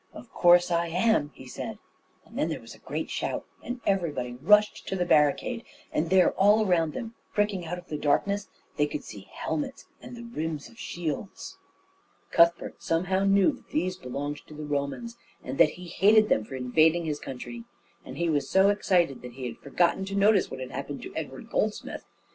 "Of course I am," he said, and then there was a great shout, and everybody rushed to the barricade; and there all round them, pricking out of the darkness, they could see helmets and the rims of shields. Cuthbert somehow knew that these belonged to the Romans, and that he hated them for invading his country; and he was so excited that he had forgotten to notice what had happened to Edward Goldsmith.